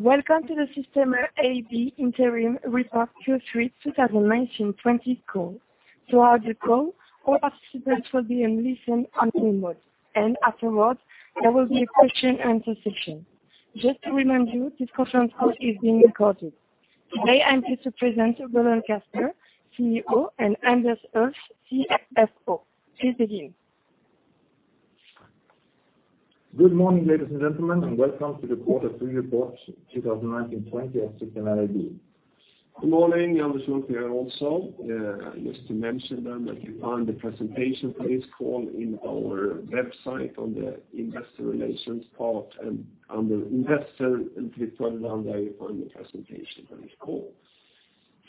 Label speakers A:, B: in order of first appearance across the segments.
A: Welcome to the Systemair AB Interim Report Q3 2019-20 call. Throughout the call, all participants will be in listen-only mode, and afterwards there will be a question-and-answer session. Just to remind you, this conference call is being recorded. Today I'm pleased to present Roland Kasper, CEO, and Anders Ulff, CFO. Please begin.
B: Good morning, ladies and gentlemen, and welcome to the Q3 report 2019-20 of Systemair AB.
C: Good morning. Anders Ulff here also. Just to mention, then, that you find the presentation for this call in our website on the Investor Relations part and under Investor, a little bit further down there, you find the presentation for this call.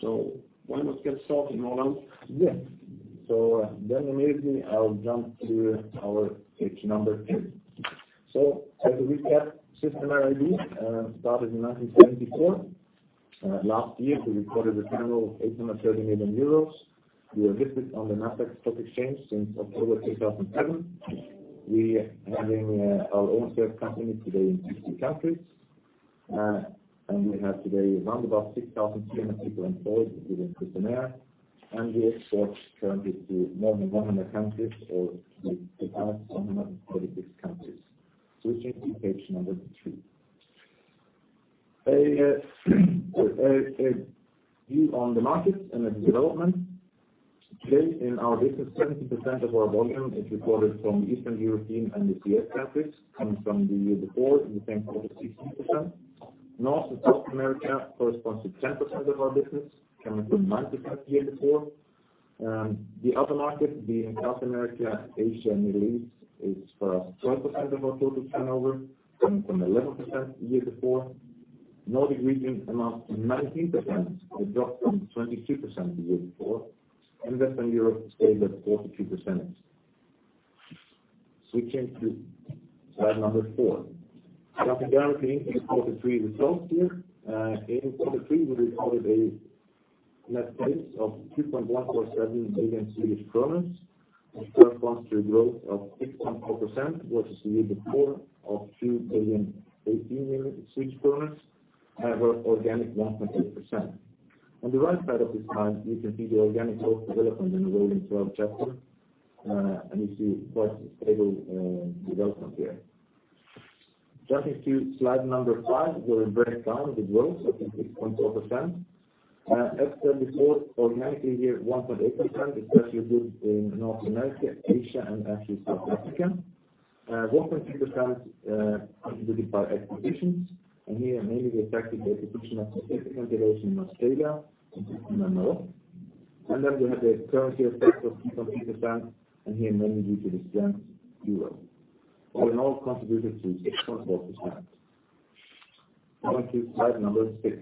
C: So why not get started, Roland?
B: Yes. So, then immediately I'll jump to our page number two. So, as a recap, Systemair AB, started in 1974. Last year we reported a turnover of 830 million euros. We are listed on the NASDAQ Stock Exchange since October 2007. We have in, our own sales companies today in 60 countries. And we have today around about 6,000 employees employed within Systemair, and we export currently to more than 100 countries, or, 136 countries. Switching to page number three. A view on the markets and the developments. Today in our business, 70% of our volume is reported from Eastern Europe and the CIS countries, coming from the year before, in the same quarter, 60%. North and South America correspond to 10% of our business, coming from 9% year before. The other markets, being South America, Asia, and the Middle East, is for us 12% of our total turnover, coming from 11% year before. Nordic region amounts to 19%, a drop from 22% the year before. Western Europe stays at 42%. Switching to slide number four. Jumping directly into the Q3 results here. In Q3 we reported net sales of 2.147 billion Swedish kronor, which corresponds to a growth of 6.4% versus the year before of 2.018 billion, however organic 1.8%. On the right side of this slide you can see the organic growth development in the rolling 12 months, and you see quite stable development here. Jumping to slide number five, we'll break down the growth up to 6.4%. As said before, organically here 1.8%, especially good in North America, Asia, and ACtually South Africa. 1.2%, exhibited by ACquisitions, and here mainly the ACquisition of significant dealers in Australia and Systemair North America. Then we had the currency effect of 2.3%, and here mainly due to the strength of the euro. All in all contributed to 6.4%. Going to slide number six.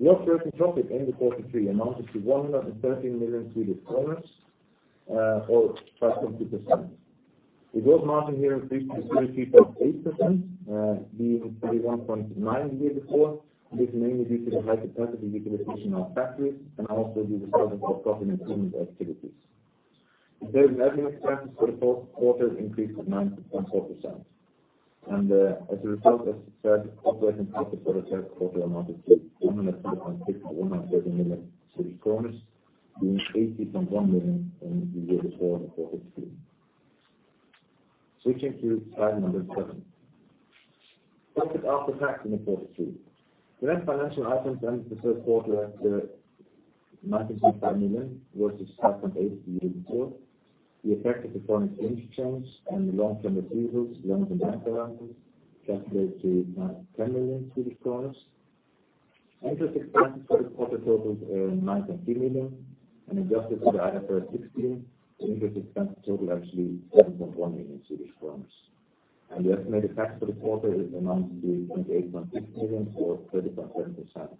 B: The operating profit in the Q3 amounted to 113 million, or 5.2%. The gross margin here increased to 33.8%, being 31.9% the year before. This is mainly due to the high capACity utilization of fACtories, and also due to the presence of profit improvement ACtivities. The sales and admin expenses for the Q4 increased to 9.4%. As a result, as said, operating profit for the Q3 amounted to SEK 102.6 million-SEK 130 million, being SEK 80.1 million in the year before the Q3. Switching to slide number seven. Profit after tax in the Q3. The net financial items ended the Q3 at SEK 19.5 million versus 5.8 million the year before. The effect of the foreign exchange change and the long-term receivables, loans and bank balances, calculated to 10 million. Interest expenses for the quarter totaled 9.3 million, and adjusted to the IFRS 16, the interest expense total ACtually 7.1 million. The estimated tax for the quarter amounts to 28.6 million, or 30.7%.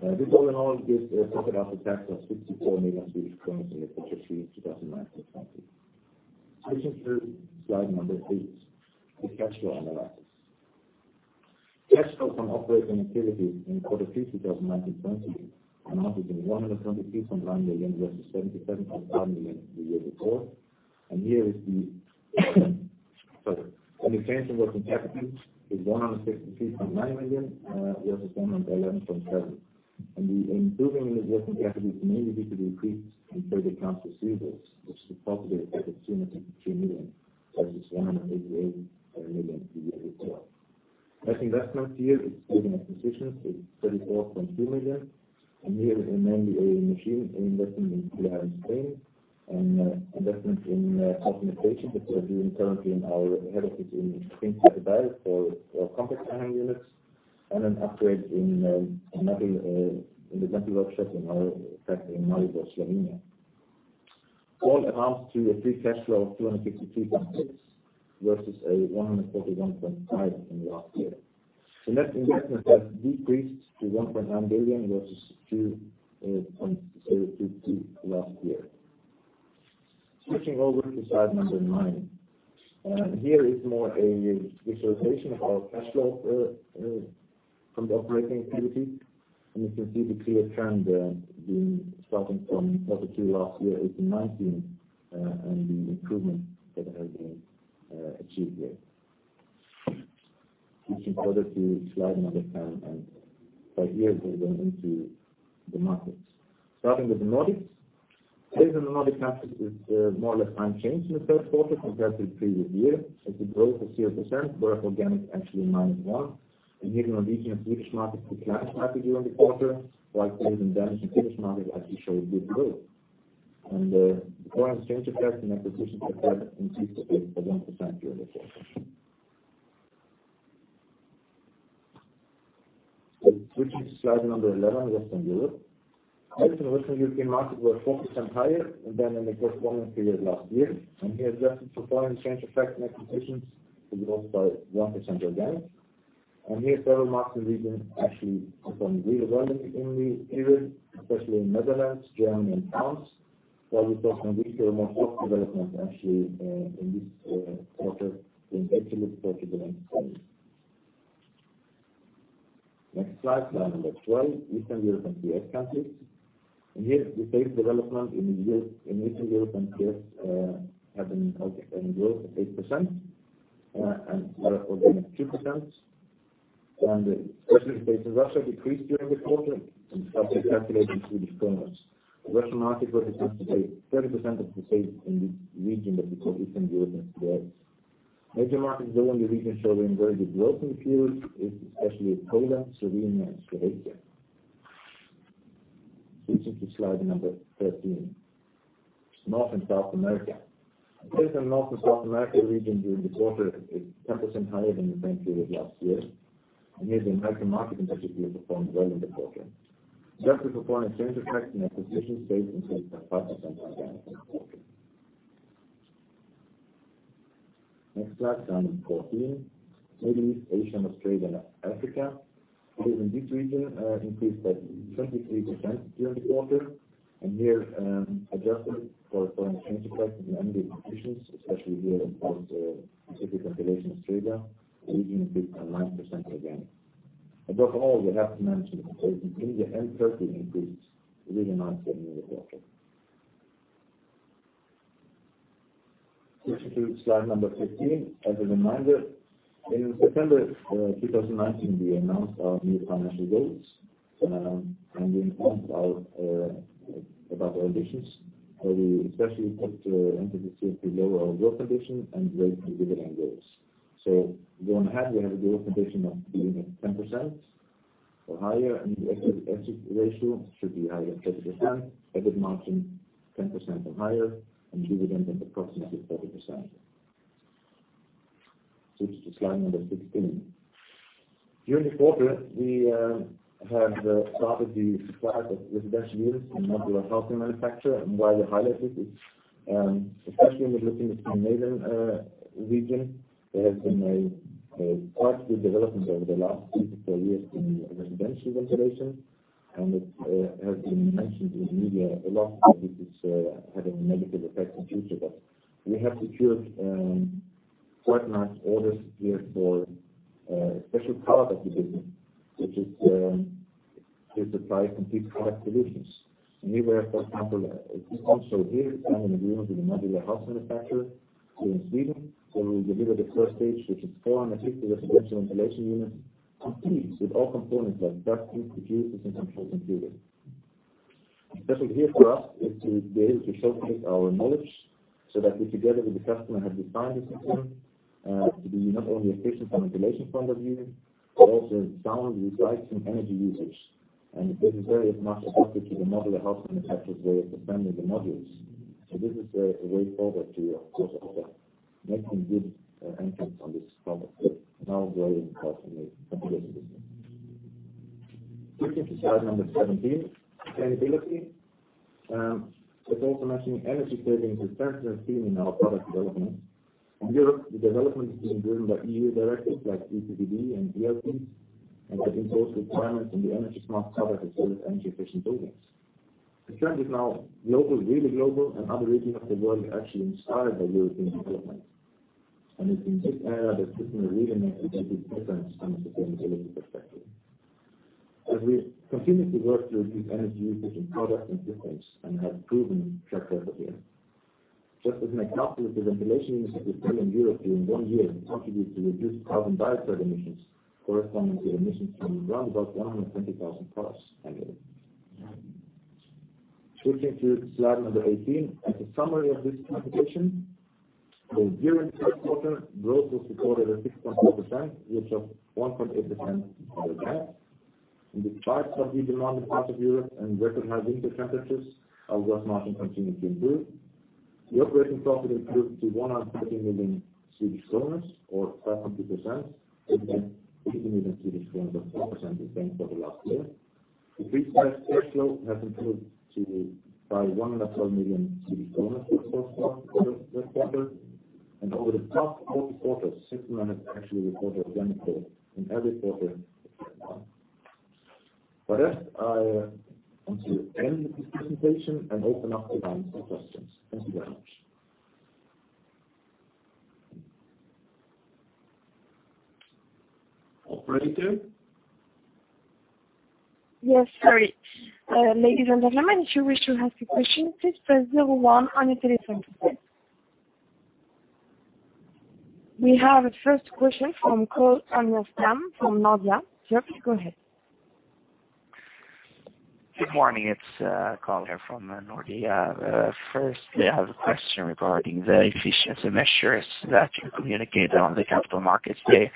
B: This all in all gives a profit after tax of SEK 64 million in the Q3 2019-20. Switching to slide number 8. The cash flow analysis. Cash flow from operating ACtivities in Q3 2019-20 amounted to 123.9 million versus 77.5 million the year before. And here is the, sorry, the maintained in working capital is 163.9 million, versus 111.7 million. The improving in working capital is mainly due to the increase in credit card receivables, which is a positive at 253 million versus 188 million the year before. Net investments here excluding ACquisitions is 34.2 million, and here mainly a mAChine investment in Koolair in Spain, and investments in automation that we're doing currently in our head office in Skinnskatteberg for compACt AHU units, and an upgrade in the metal workshop in our fACtory in Maribor, Slovenia. All amounts to a free cash flow of 253.6 million versus 141.5 million in last year. The net investment has decreased to 1.9 billion versus 2.2 billion last year. Switching over to slide number nine. Here is more a visualization of our cash flow from operating ACtivities, and you can see the clear trend, being starting from Q2 last year, 2019, and the improvement that has been AChieved here. Switching further to slide number 10, and right here we'll go into the markets. Starting with the Nordics. Sales in the Nordic countries is more or less unchanged in the Q3 compared to the previous year. It's a growth of 0%, whereas organic ACtually minus one. And here in the Norwegian and Swedish markets, the construction market during the quarter, while sales in Danish and Swedish markets ACtually showed good growth. And the foreign exchange effects and ACquisition effects increased at 1% during the quarter. Switching to slide number 11, Western Europe. Sales in the Western European markets were 4% higher than in the corresponding period last year, and here adjusted for foreign exchange effects and ACquisitions to growth by 1% organic. Here several markets in the region ACtually performed really well in the period, especially in Netherlands, Germany, and France, while we saw some weaker or more soft developments ACtually, in this quarter being excellent for the business in the US. Next slide, slide number 12, Eastern European CIS countries. Here the sales development in Eastern Europe and CIS had a growth of 8%, and organic 2%. Especially the sales in Russia decreased during the quarter, stated in Swedish kronor. The Russian market represents today 30% of the sales in this region that we call Eastern European CIS. Major markets though in the region showing very good growth in the period is especially Poland, Slovenia, and Slovakia. Switching to slide number 13. North and South America. Sales in North and South America region during the quarter is 10% higher than the same period last year, and here the American market in particular performed well in the quarter. Adjusted for foreign exchange effects and ACquisitions sales increased by 5% organic in the quarter. Next slide, slide number 14. Middle East, Asia, and Australia, and Africa. Sales in this region, increased by 23% during the quarter, and here, adjusted for foreign exchange effects and ACquisitions, especially here in Asia-PACific and Australia, the region increased by 9% organic. Above all, we have to mention that sales in India and Turkey increased really nicely in the quarter. Switching to slide number 15. As a reminder, in September 2019 we announced our new financial goals, and we announced our ambitions, where we especially put emphasis here to lower our growth ambition and raise the dividend goals. So going ahead, we have a growth ambition of being at 10% or higher, and the equity ratio should be higher than 30%, EBIT margin 10% or higher, and dividend at approximately 40%. Switching to slide number 16. During the quarter we have started the supply of residential units in modular housing manufACturers, and why we highlight this is, especially when we're looking at the Canadian region, there has been a quite good development over the last 3-4 years in residential ventilation, and it has been mentioned in the media a lot. This is having a negative effect in the future, but we have secured quite nice orders here for a special product of the business, which is to supply complete product solutions. And here we have, for example, as shown here, signed an agreement with a modular house manufACturer here in Sweden where we will deliver the first stage, which is 450 residential ventilation units complete with all components like ductings, diffusers, and control computers. Especially here for us is to be able to showcase our knowledge so that we together with the customer have designed the system to be not only efficient from a ventilation point of view, but also sound, recycling, energy usage. And this is very much adapted to the modular house manufACturer's way of assembling the modules. So this is a way forward to, of course, also making good entrance on this product, now growing part in the ventilation business. Switching to slide number 17. Sustainability. It's also mentioning energy savings is certainly a theme in our product development. In Europe, the development is being driven by EU directives like EPBD and ErP, and the important requirements on the energy-smart product as well as energy-efficient buildings. The trend is now global, really global, and other regions of the world are ACtually inspired by European development. And it's in this area that Systemair really makes a big difference from a sustainability perspective. As we continue to work to reduce energy usage in products and systems, and have proven trACk record here, just as many households with ventilation units in Brazil and Europe during one year contribute to reduced carbon dioxide emissions corresponding to emissions from around 120,000 cars annually. Switching to slide 18. As a summary of this presentation, during the first quarter growth was reported at 6.4%, which of 1.8% for organic. Despite slightly demanded parts of Europe and record high winter temperatures, our gross margin continued to improve. The operating profit improved to 130 million Swedish kronor, or 5.2%, 80 million Swedish kronor of 4% the same quarter last year. The free cash flow has improved by SEK 112 million for the first quarter, the Q3, and over the past 40 quarters, Systemair has ACtually reported organic growth in every quarter except one. With that, I want to end this presentation and open up the line for questions. Thank you very much. Operator?
A: Yes, sorry. Ladies and gentlemen, if you wish to ask a question, please press 01 on your telephone. We have a first question from Carl Ragnerstam from Nordea. Sir, please go ahead.
D: Good morning. It's Carl here from Nordea. First, they have a question regarding the efficiency measures that you communicate on the Capital Markets Day.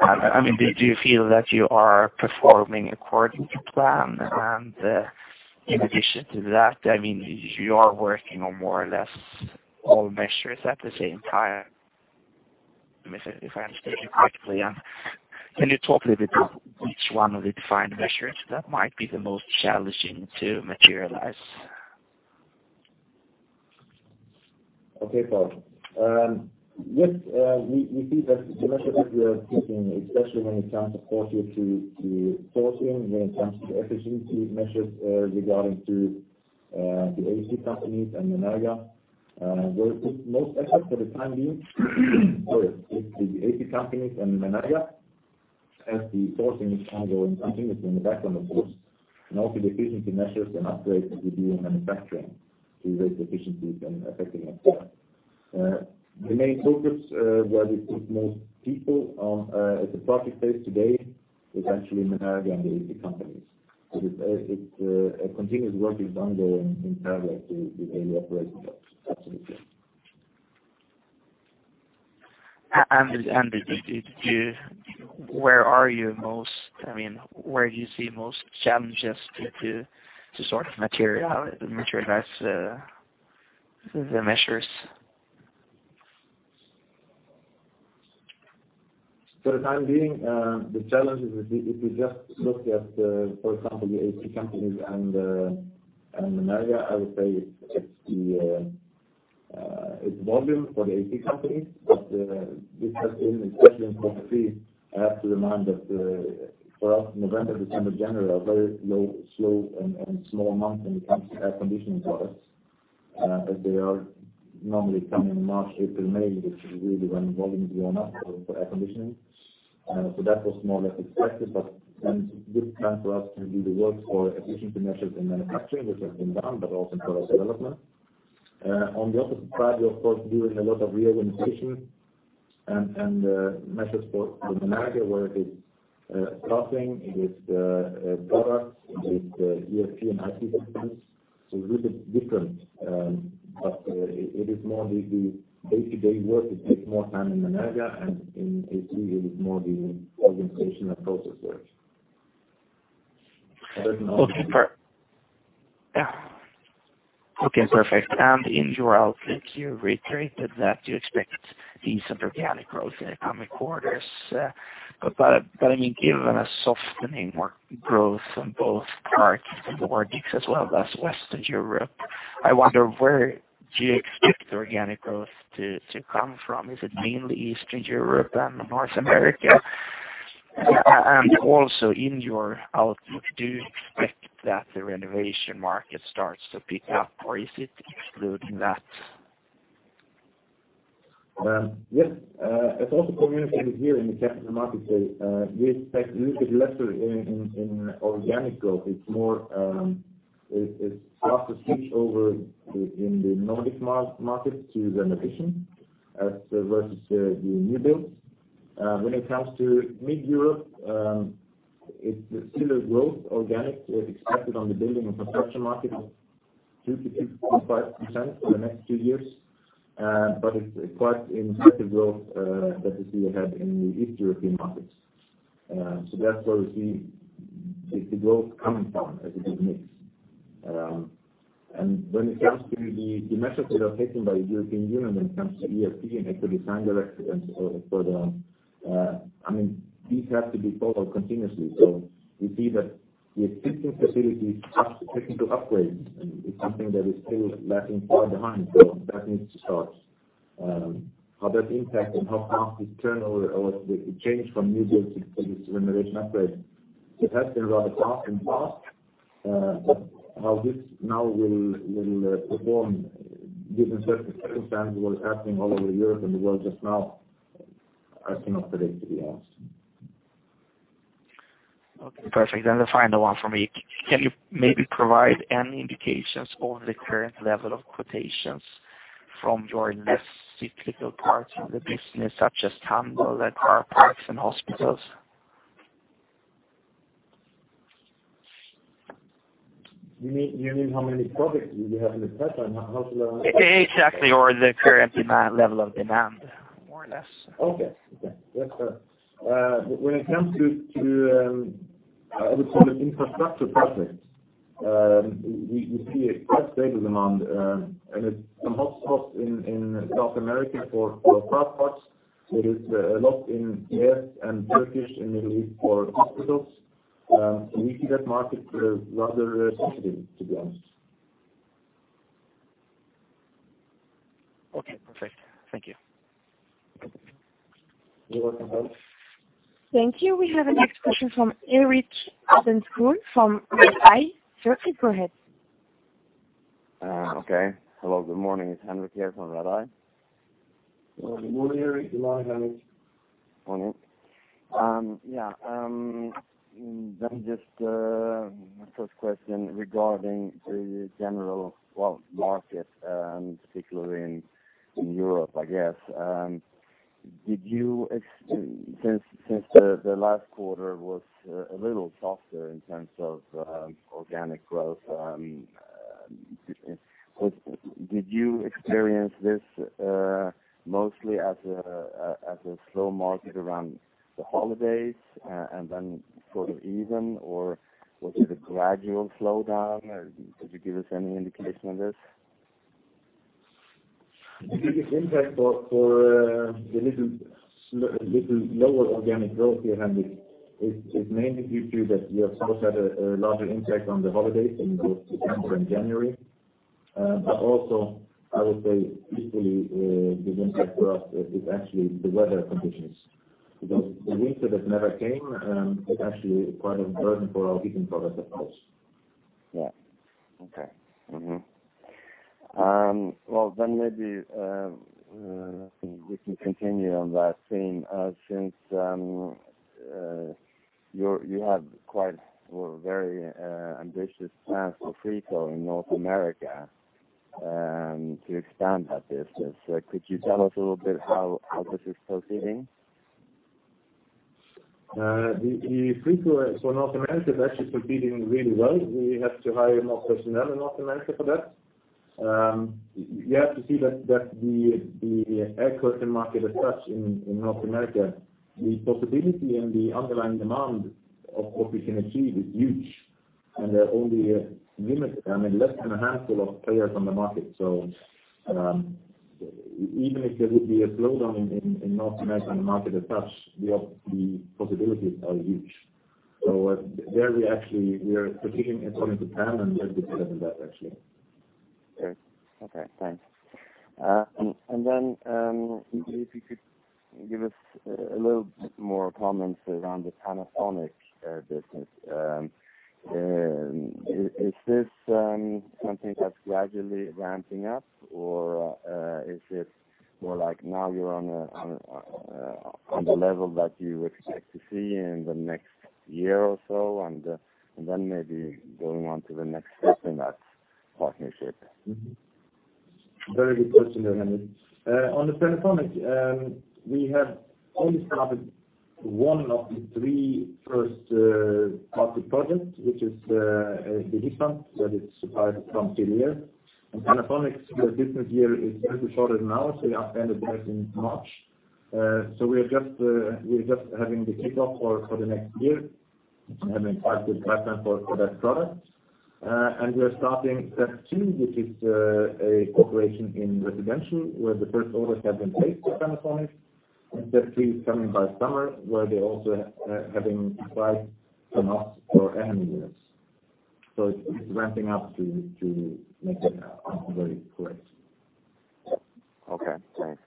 D: I mean, do you feel that you are performing ACcording to plan, and, in addition to that, I mean, you are working on more or less all measures at the same time? I mean, if, if I understood you correctly, can you talk a little bit of which one of the defined measures that might be the most challenging to materialize? Okay, Carl.
B: With, we see that the measures that we are taking, especially when it comes to quarter two to sourcing, when it comes to efficiency measures, regarding the AC companies and Menerga, we're putting most effort for the time being. Sorry, with the AC companies and Menerga, as the sourcing is ongoing continuously in the bACkground, of course, and also the efficiency measures and upgrades we do in manufACturing to raise efficiencies and effectiveness. The main focus, where we put most people on, at the project stage today is ACtually Menerga and the AC companies. So it's a continuous work is ongoing in parallel to the daily operation jobs, absolutely. And did you where are you most? I mean, where do you see most challenges due to sort of materialize the measures? For the time being, the challenge is if you just look at, for example, the AC companies and Menerga, I would say it's the volume for the AC companies, but this has been especially in Q3. I have to remind that for us, November, December, January are very low, slow, and small months when it comes to air conditioning products, as they are normally coming in March, April, May, which is really when volume is going up for air conditioning. So that was more or less expected, but then good time for us to do the work for efficiency measures in manufACturing, which has been done, but also for our development. On the opposite side, we're, of course, doing a lot of reorganization and measures for the Menerga, where it is staffing, it is products, it is ERP and IT systems. So it's a little bit different, but it is more the day-to-day work that takes more time in Menerga, and in AC it is more the organizational and process work. Other than all.
D: Okay, Carl, yeah. Okay, perfect. And in general, I think you reiterated that you expect decent organic growth in the coming quarters, but, but, but I mean, given a softening or growth on both parts of the Nordics as well as Western Europe, I wonder where do you expect the organic growth to come from? Is it mainly Eastern Europe and North America? And also in your outlook, do you expect that the renovation market starts to pick up, or is it excluding that?
B: Yes. As also communicated here in the Capital Markets Day, we expect a little bit lesser in organic growth. It's more plus a switch over in the Nordic markets to renovation versus the new builds. When it comes to Mid-Europe, it's a similar organic growth expected on the building and construction market of 2%-2.5% for the next two years, but it's quite impressive growth that we see ahead in the East European markets. So that's where we see the growth coming from as a good mix. And when it comes to the measures that are taken by the European Union when it comes to ErP and Ecodesign Directives and so forth, I mean, these have to be followed continuously. So we see that the existing fACilities have technical upgrades, and it's something that is still lagging far behind, so that needs to start. how that impACts and how fast this turnover or the change from new build to this renovation upgrade, it has been rather fast in the past, but how this now will perform, given certain circumstances what is happening all over Europe and the world just now, I cannot predict, to be honest.
D: Okay. Perfect. And the final one for me. Can you maybe provide any indications on the current level of quotations from your less cyclical parts of the business, such as AHU, car parks, and hospitals? You mean how many projects do you have in the pipeline? How should I understand that? ExACtly, or the current level of demand, more or less.
B: Okay. Yes, sir. When it comes to, I would call it infrastructure projects, we see a quite stable demand, and it's some hot spots in South America for car parks. It is a lot in US and Turkey and Middle East for hospitals. So we see that market rather sensitive, to be honest.
D: Okay, perfect. Thank you.
B: You're welcome, Carl.
A: Thank you. We have our next question from Henrik Alveskog from Redeye. Sir, please go ahead.
E: Okay. Hello. Good morning. It's Henrik here from Redeye. Well, good morning, Erik. Good morning, Henrik. Morning. Yeah. Then just first question regarding the general, well, market, particularly in Europe, I guess. Did you expect, since the last quarter was a little softer in terms of organic growth, did you experience this mostly as a slow market around the holidays and then sort of even, or was it a gradual slowdown? Could you give us any indication on this? The biggest impACt for the slightly lower organic growth here, Henrik, it mainly due to that we have also had a larger impACt on the holidays in both December and January. But also, I would say equally big impACt for us is ACtually the weather conditions. Because the winter that never came is ACtually quite a burden for our heating products, of course.
B: Yeah. Okay. Mm-hmm. Well, then maybe we can continue on that theme. Since you have quite or very ambitious plans for Frico in North America to expand that business, could you tell us a little bit how this is proceeding? The Frico for North America is ACtually proceeding really well. We have to hire more personnel in North America for that. You have to see that the air curtain market as such in North America, the possibility and the underlying demand of what we can AChieve is huge, and there are only limited, I mean, less than a handful of players on the market. So, even if there would be a slowdown in North America and the market as such, the possibilities are huge. So, there we ACtually are proceeding ACcording to plan, and we have decided on that, ACtually.
E: Okay. Okay. Thanks. And then, if you could give us a little bit more comments around the Panasonic business, is this something that's gradually ramping up, or is it more like now you're on a, on the level that you expect to see in the next year or so, and then maybe going on to the next step in that partnership?
B: Mm-hmm. Very good question there, Henrik. On the Panasonic, we have only started one of the three first market projects, which is the heat pump that is supplied from Tillières-sur-Avre. And Panasonic business year is a little shorter than ours, so we are standing bACk in March. So we are just having the kickoff for the next year and having a quite good pipeline for that product. We are starting step two, which is a corporation in residential where the first orders have been plACed for Panasonic. And step three is coming by summer, where they also having supplies from us for AHU units. So it's ramping up to make it very correct.
E: Okay. Thanks.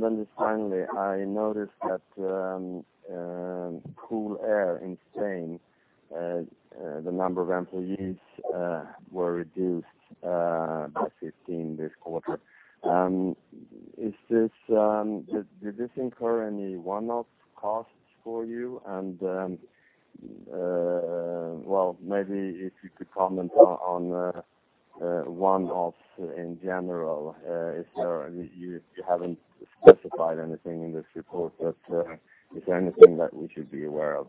E: Then just finally, I noticed that Koolair in Spain, the number of employees were reduced by 15 this quarter. Is this, did this incur any one-off costs for you? And well, maybe if you could comment on one-offs in general, is there, you haven't specified anything in this report, but is there anything that we should be aware of?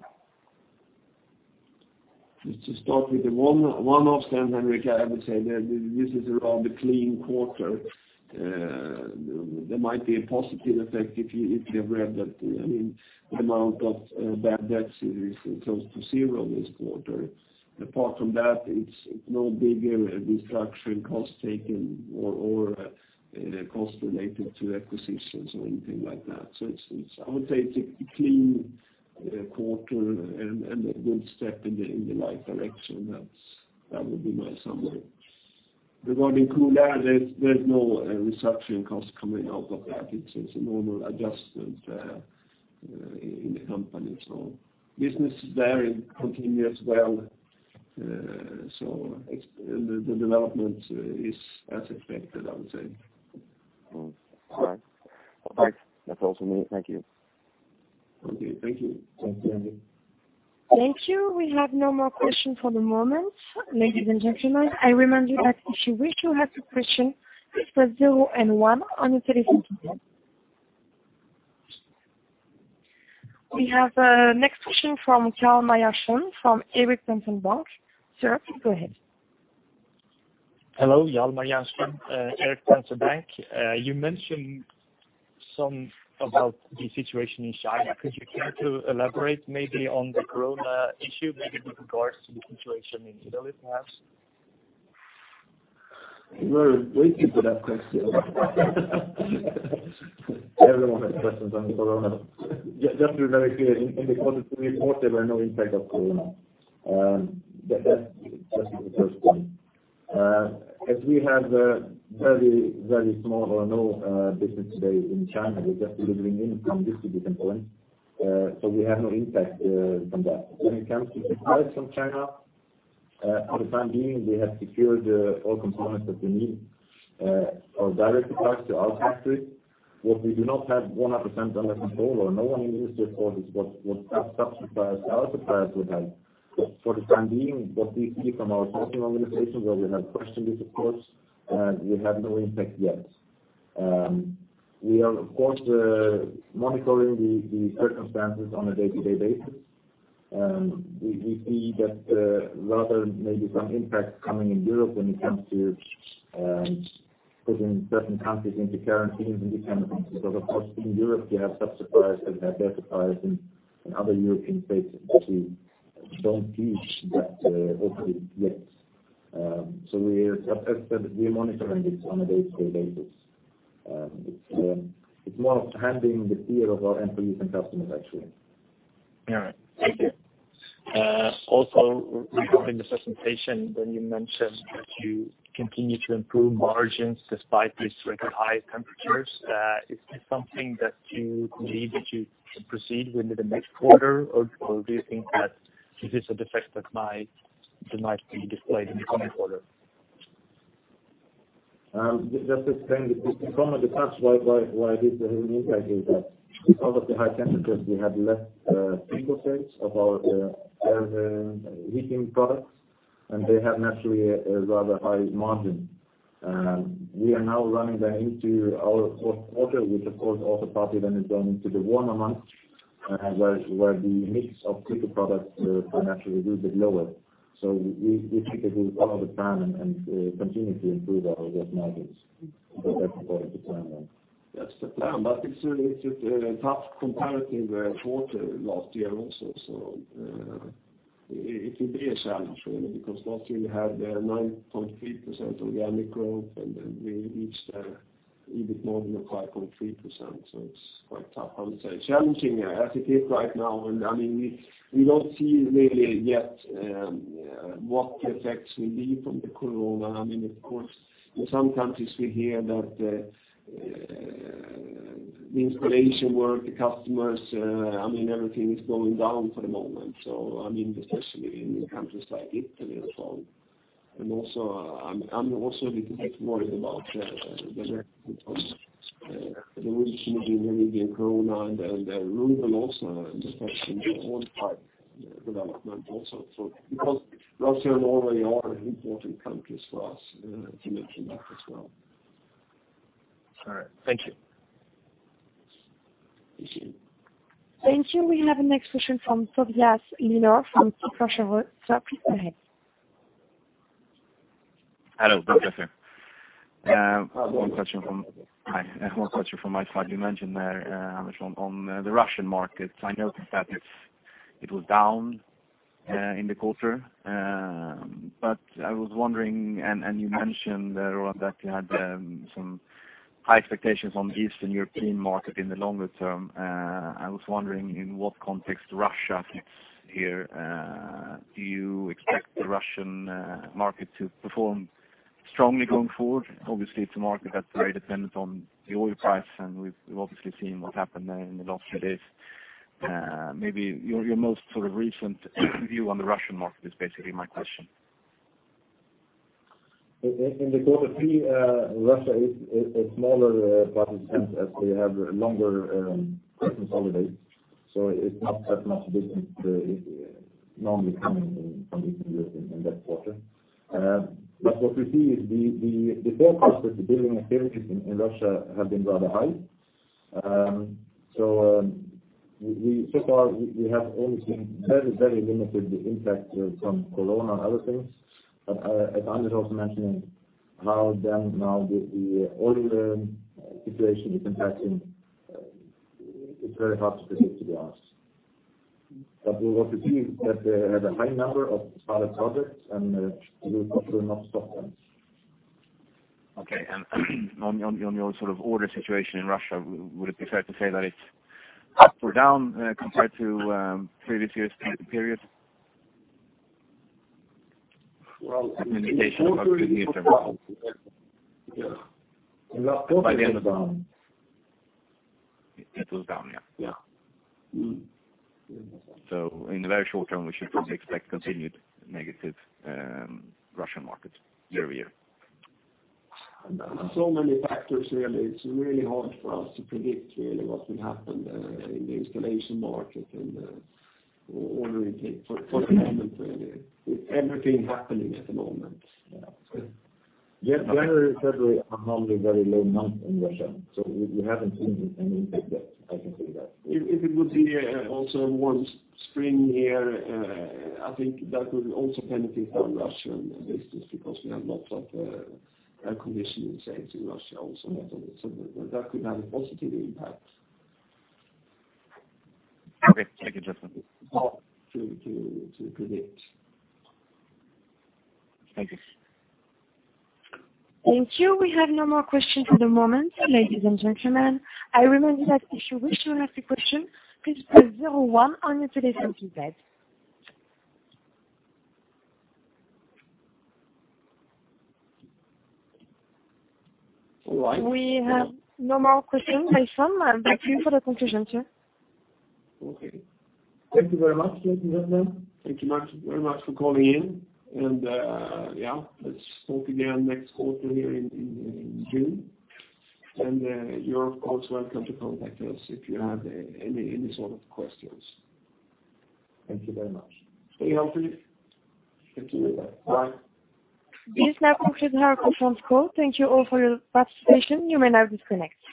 B: Just start with the one-offs then, Henrik. I would say that this is a rather clean quarter. There might be a positive effect if you have read that. I mean, the amount of bad debts is close to zero this quarter. Apart from that, it's no bigger depreciation cost taken or cost related to ACquisitions or anything like that. So it's, I would say, a clean quarter and a good step in the right direction. That would be my summary. Regarding Koolair, there's no restructuring cost coming out of that. It's a normal adjustment in the company, so business is there and continues well. So yep, and the development is as expected, I would say.
E: Okay. All right. Well, thanks. That's all from me. Thank you.
B: Okay. Thank you.
C: Thank you, Henrik.
A: Thank you. We have no more questions for the moment. Ladies and gentlemen, I remind you that if you wish to ask a question, press 0 and 1 on your telephone keypad. We have our next question from Karl Bokvist from Erik Penser Bank. Sir, please go ahead.
F: Hello, Karl Bokvist, Erik Penser Bank. You mentioned something about the situation in China. Could you kind of elaborate maybe on the corona issue, maybe with regards to the situation in Italy, perhaps?
B: We're waiting for that question. Everyone has questions on corona. Just to be very clear, in the Q3 report, there were no impACts of corona. That's just the first point. As we have a very, very small or no business today in China, we're just delivering from distribution points, so we have no impACt from that. When it comes to supplies from China, for the time being, we have secured all components that we need for direct supplies to our fACtories. What we do not have 100% under control or no one in the industry, of course, is what sub-subsuppliers and our suppliers would have. For the time being, what we see from our sourcing organization, where we have questioned this, of course, we have no impACt yet. We are, of course, monitoring the circumstances on a day-to-day basis. We see that rather maybe some impACt coming in Europe when it comes to putting certain countries into quarantines and these kind of things. Because, of course, in Europe, you have subsuppliers that have their supplies in other European states that we don't see that openly yet. So we are, as said, monitoring this on a day-to-day basis. It's more of handling the fear of our employees and customers, ACtually.
F: All right. Thank you. Also, recalling the presentation, when you mentioned that you continue to improve margins despite these record high temperatures, is this something that you believe that you proceed with in the next quarter, or do you think that this is an effect that might be displayed in the coming quarter?
B: Just explain the difficulty and detail why this has an impACt. Is that because of the high temperatures, we have less seasonal sales of our air heating products, and they have naturally a rather high margin. We are now running into our Q4, which, of course, also partially is going into the warmer months, where the mix of cooler products will naturally be a little bit lower. So we think that we will follow the plan and continue to improve our margins. So that's part of the plan, then. That's the plan. But it's a tough comparative quarter last year also, so it will be a challenge, really, because last year we had 9.3% organic growth, and then we reAChed an EBIT margin of 5.3%. So it's quite tough, I would say. Challenging, as it is right now. And I mean, we don't see really yet what the effects will be from the corona. I mean, of course, in some countries, we hear that the installation work, the customers, I mean, everything is going down for the moment. So I mean, especially in countries like Italy as well. And also, I'm also a little bit worried about the results from the Norwegian krone and the Nordic also and the questions on the development also. So because Russia and Norway are important countries for us to mention that as well.
F: All right. Thank you.
B: Appreciate it.
A: Thank you. We have a next question from Tobias Lukesch from Kepler Cheuvreux. Sir, please go ahead.
G: Hello. Tobias here. One question from my side. You mentioned there, Henrik, on the Russian markets. I noticed that it was down in the quarter. But I was wondering, and you mentioned, Roland, that you had some high expectations on the Eastern European market in the longer term. I was wondering in what context Russia fits here. Do you expect the Russian market to perform strongly going forward?
B: Obviously, it's a market that's very dependent on the oil price, and we've obviously seen what's happened there in the last few days. Maybe your most sort of recent view on the Russian market is basically my question. In the Q3, Russia is a smaller participant as we have longer Christmas holidays. So it's not that much business, normally coming in from Eastern Europe in that quarter. But what we see is the forecast that the building ACtivities in Russia have been rather high. So, so far, we have only seen very, very limited impACt from corona and other things. But, as Henrik was mentioning, how the oil situation is now impACting, it's very hard to predict, to be honest. But we'll obviously see that they have a high number of started projects, and we will not stop them.
G: Okay. And on your sort of order situation in Russia, would it be fair to say that it's up or down, compared to previous years' peak period?
B: Well, in the short term as well. Yeah. In the last quarter, it was down. It was down, yeah. Yeah. So in the very short term, we should probably expect continued negative Russian market year-over-year. So many fACtors, really. It's really hard for us to predict, really, what will happen in the installation market and order intake for the moment, really. It's everything happening at the moment. Yeah. So, yeah, February are normally very low months in Russia. So we haven't seen an intake yet, I can say that. If it would be also a warm spring here, I think that will also penetrate our Russian business because we have lots of air conditioning sales in Russia also. So that could have a positive impACt.
G: Okay. Thank you, Just difficult to predict.
B: Thank you.
A: Thank you. We have no more questions for the moment, ladies and gentlemen. I remind you that if you wish to ask a question, please press zero, one on your telephone keypad. All right. We have no more questions I saw. Thank you for the conclusion, sir. Okay. Thank you very much, ladies and gentlemen. Thank you very much for calling in. And yeah, let's talk again next quarter here in June. And you're, of course, welcome to contACt us if you have any sort of questions. Thank you very much. Stay healthy. Thank you. Bye. Bye. This now concludes our conference call. Thank you all for your participation. You may now disconnect.